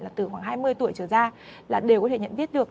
là từ khoảng hai mươi tuổi trở ra là đều có thể nhận biết được